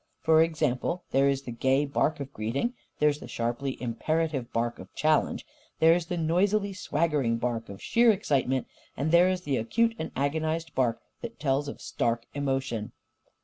For example, there is the gay bark of greeting, there is the sharply imperative bark of challenge, there is the noisily swaggering bark of sheer excitement, and there is the acute and agonised bark that tells of stark emotion.